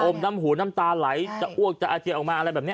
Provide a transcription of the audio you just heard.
น้ำหูน้ำตาไหลจะอ้วกจะอาเจียออกมาอะไรแบบนี้